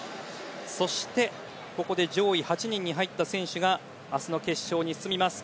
そして、上位８人に入った選手が明日の決勝に進みます。